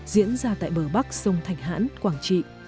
diễn ra tại bờ bắc sông thạch hãn quảng trị